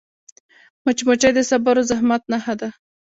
مچمچۍ د صبر او زحمت نښه ده